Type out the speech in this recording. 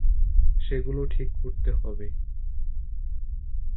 সেগুলো ঠিক করতে হবে।